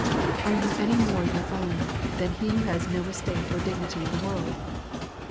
Are you any more your own, than he that has no estate or dignity in the world?